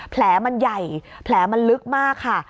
แผลมันใหญ่แผลมันลึกมากค่ะ